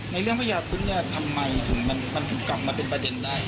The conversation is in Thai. ในเรื่องพญาตุคนเนี่ยทำไมมันทั้งคำว่ากลับมาเป็นประเด็นได้